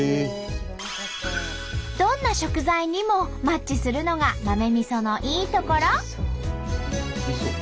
どんな食材にもマッチするのが豆みそのいいところ。